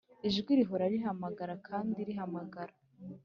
ijwi rihora rihamagara kandi rihamagara!